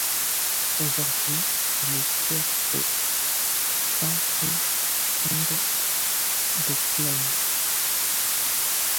Aujourd'hui, le titre est certifié single de platine.